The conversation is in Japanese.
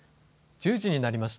１０時になりました。